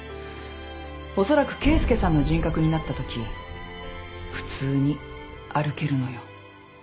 おそらく啓介さんの人格になったとき普通に歩けるのよ。